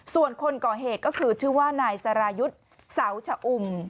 ส่วนคนก่อเหตุก็คือชื่อว่านายสรายุทธ์เสาชะอุ่ม